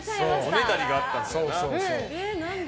おねだりがあったんだよな。